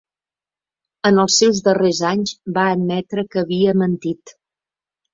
En els seus darrers anys, va admetre que havia mentit.